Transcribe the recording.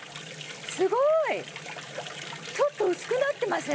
すごーいちょっと薄くなってません？